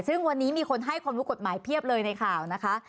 ซึ่งวันนี้มีคนให้ความรู้กฎหมายเพียบเลยในข่าวนะคะ